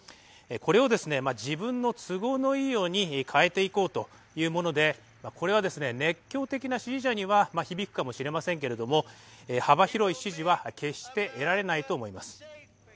これを自分の都合のいいように変えていこうというもので、これは熱狂的な支持者には響くかもしれませんけれども、幅広い支持は決して得られないと思います。